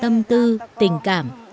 tâm tư tình cảm